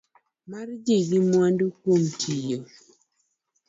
Mar ji gi mwandu kuom tiyo